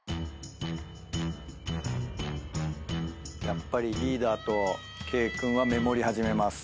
やっぱりリーダーと圭君はメモり始めます。